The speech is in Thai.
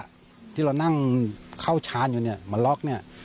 ที่เรานั่งเข้าชานอยู่เนี่ยมาล็อกเนี่ย